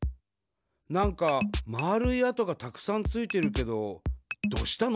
なんかまるい跡がたくさんついてるけどどうしたの？